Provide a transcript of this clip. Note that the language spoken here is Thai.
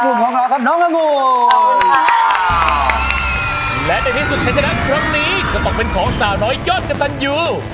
บอกเป็นของสาวรอยยอดกระตันอยู่